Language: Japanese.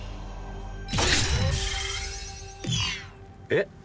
えっ？